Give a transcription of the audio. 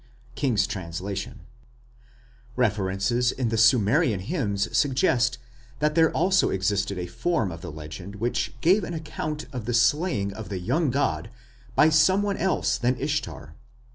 King's Translation. References in the Sumerian hymns suggest that there also existed a form of the legend which gave an account of the slaying of the young god by someone else than Ishtar.